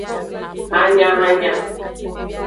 Hanyahanya.